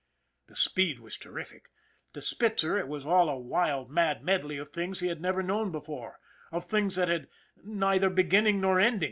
The speed was terrific. To Spitzer it was all a wild, mad medley of things he had never known before, of things that had neither beginning nor end.